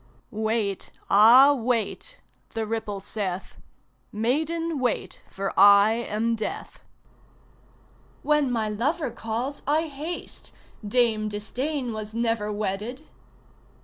"Wait, ah, wait!" the ripple saith; "Maiden, wait, for I am Death!" "When my lover calls I haste Dame Disdain was never wedded!"